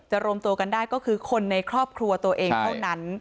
รวมตัวกันได้ก็คือคนในครอบครัวตัวเองเท่านั้น